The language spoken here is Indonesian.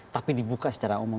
tapi dibuka secara umum